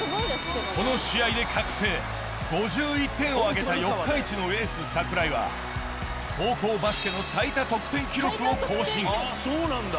この試合で覚醒５１点を挙げた四日市のエース桜井は高校バスケの最多得点記録を更新そうなんだ。